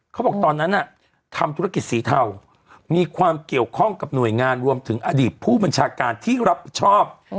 เขาบอกตอนนั้นทำธุรกิจสีเทามีความเกี่ยวข้องกับหน่วยงานรวมถึงอดีตผู้บัญชาการที่รับผิดชอบ